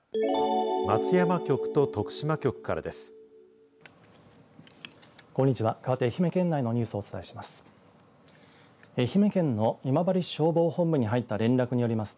松山局と徳島局からです。